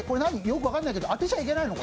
よく分かんないけど、当てちゃいけないの？